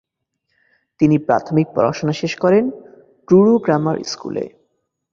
তিনি প্রাথমিক পড়াশোনা শেষ করেন ট্রুরু গ্রামার স্কুলে।